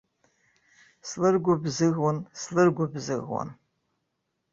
Слыргәыбзыӷуан, слыргәыбзыӷуан.